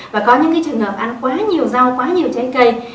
và có những trường hợp ăn quá nhiều rau quá nhiều trái cây